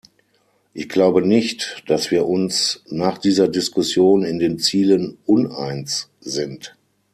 Ich glaube nicht, dass wir uns nach dieser Diskussion in den Zielen uneins sind.